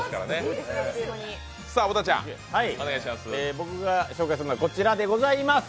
僕が紹介するのはこちらでございます。